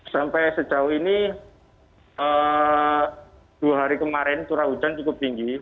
sampai sejauh ini dua hari kemarin curah hujan cukup tinggi